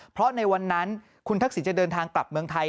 เพราะในวันนั้นคุณทักษิณจะเดินทางกลับเมืองไทย